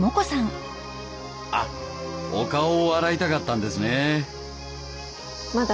あっお顔を洗いたかったんですね。